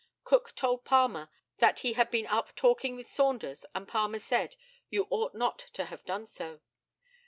Cook told Palmer, that he had been up talking with Saunders, and Palmer said, "You ought not to have done so."